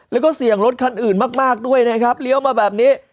แล้วก็เสี่ยงรถคันอื่นมากด้วยนะครับเลี้ยวมาแบบนี้